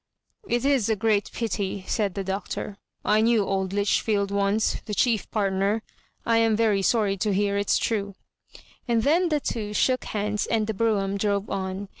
" It's a great pity,'* said the Doctor :" I knew old Lichfield once, the chief partner — ^I am very sorry to hear it's true ;'* and then the two shook hands, and the brougham drove on.